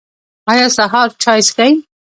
ایا سهار چای څښئ؟